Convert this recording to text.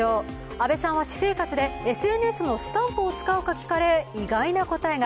阿部さんは私生活でＳＮＳのスタンプを使う聞かれ意外な答えが。